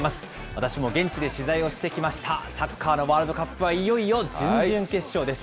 私も現地で取材をしてきました、サッカーのワールドカップは、いよいよ準々決勝です。